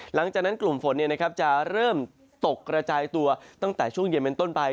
หลังจากนั้นกลุ่มฝนจะเริ่มตกกระจายตัวตั้งแต่ช่วงเย็นเป็นต้นไป